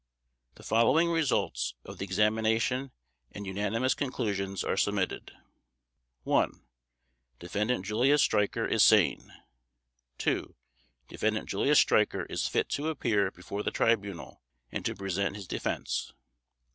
The following results of the examination and unanimous conclusions are submitted: 1) Defendant Julius Streicher is sane. 2) Defendant Julius Streicher is fit to appear before the Tribunal and to present his defense.